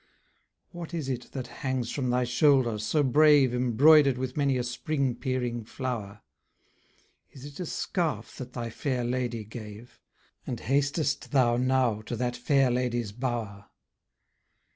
What is it that hangs from thy shoulder, so brave, Embroidered with many a spring peering flower? Is it a scarf that thy fair lady gave? And hastest thou now to that fair lady's bower?